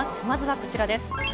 まずはこちらです。